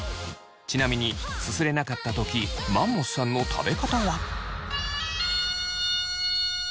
ちなみにすすれなかった時マンモスさんの食べ方は。